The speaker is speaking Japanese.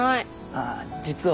ああ実は。